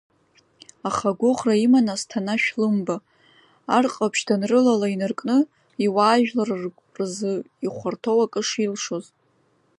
Аха агәыӷра иман Асҭана Шәлымба, Ар Ҟаԥшь данрылала инаркны, иуаажәлар рзы ихәарҭоу акы шилшоз.